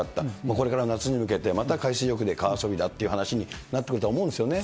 これから夏に向けて、また海水浴で川遊びだっていう話になってくると思うんですよね。